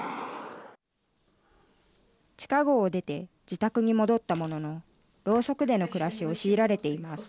地下ごうを出て自宅に戻ったもののろうそくでの暮らしを強いられています。